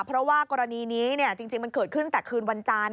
เพราะว่ากรณีนี้จริงมันเกิดขึ้นแต่คืนวันจันทร์